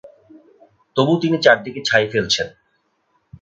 তবু তিনি চারদিকে ছাই ফেলছেন।